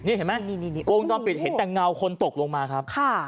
นี่เห็นไหมวงจรปิดเห็นแต่เงาคนตกลงมาครับ